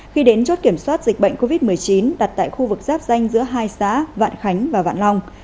khi đến chốt kiểm soát dịch bệnh covid một mươi chín đặt tại khu vực giáp danh giữa hai xã vạn khánh và vạn long